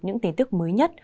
những tin tức mới nhất